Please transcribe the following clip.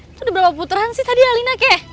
itu udah berapa puteran sih tadi alina kek